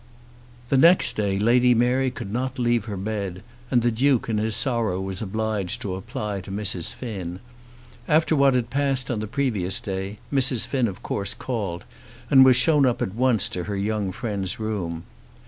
The next day Lady Mary could not leave her bed; and the Duke in his sorrow was obliged to apply to Mrs. Finn. After what had passed on the previous day Mrs. Finn of course called, and was shown at once up to her young friend's room.